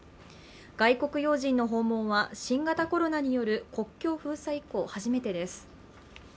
外国要人の訪問は新型コロナによる国境封鎖以降、初めてです。